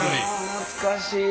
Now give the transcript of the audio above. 懐かしい。